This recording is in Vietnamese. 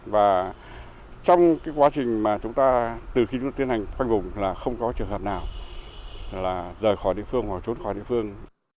và trong cái quá trình mà chúng ta từ khi chúng tôi tiến hành khoanh vùng là không có trường hợp nào rời khỏi địa phương hoặc trốn khỏi địa phương